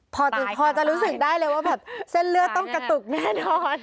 พอจะรู้สึกได้เลยว่าแบบเส้นเลือดต้องกระตุกแน่นอน